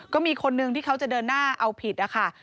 ก็มีคนนึงที่เขาจะเดินหน้าเอาผิดนะคะ